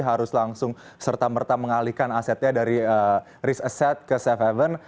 harus langsung serta merta mengalihkan asetnya dari risk asset ke safe haven